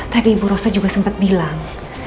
tadi ibu rosa juga sempat bilang